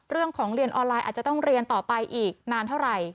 เรียนออนไลน์อาจจะต้องเรียนต่อไปอีกนานเท่าไหร่